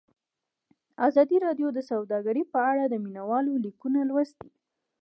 ازادي راډیو د سوداګري په اړه د مینه والو لیکونه لوستي.